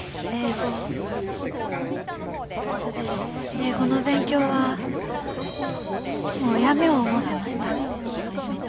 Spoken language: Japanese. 英語の勉強はもうやめよう思うてました。